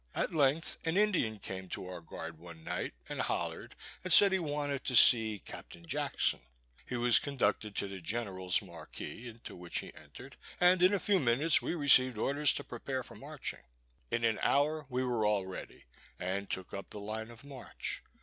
At length an Indian came to our guard one night, and hollered, and said he wanted to see "Captain Jackson." He was conducted to the general's markee, into which he entered, and in a few minutes we received orders to prepare for marching. In an hour we were all ready, and took up the line of march.